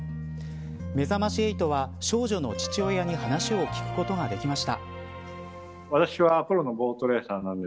めざまし８は、少女の父親に話を聞くことができました。